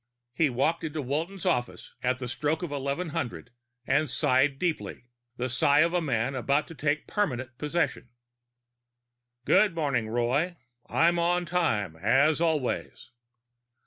He walked into Walton's office at the stroke of 1100 and sighed deeply the sigh of a man about to take permanent possession. "Good morning, Roy. I'm on time, as always."